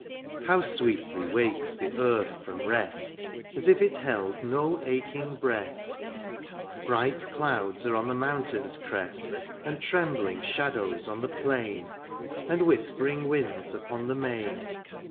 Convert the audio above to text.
How sweetly wakes the earth from rest^ As if it held no aching breast ; Bright clouds are on the mountain's crest^ And trembling shadows on the plain. And whispering winds upon the main.